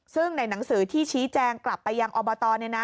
ซึ่งในหนังสือที่ชี้แจงกลับไปยังอบต